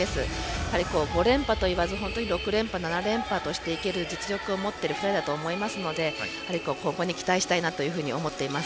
やはり５連覇といわず６連覇、７連覇をしていける実力を持っている２人だと思いますので今後に期待したいなと思っています。